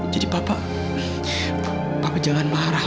jadi papa papa jangan marah pak